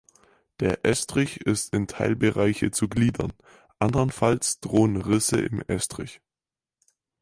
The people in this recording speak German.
Der Estrich ist in Teilbereiche zu gliedern, andernfalls drohen Risse im Estrich.